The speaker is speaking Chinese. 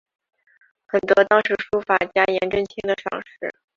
很得当时书法家颜真卿的赏识。